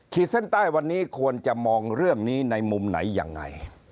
เส้นใต้วันนี้ควรจะมองเรื่องนี้ในมุมไหนยังไง